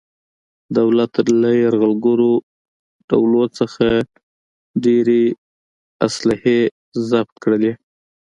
دولت له یرغلګرو ډولو څخه ډېرې اصلحې ضبط کړلې.